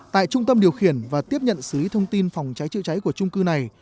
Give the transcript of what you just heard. tại trung tâm điều khiển và tiếp nhận xử lý thông tin phòng cháy chữa cháy của trung cư này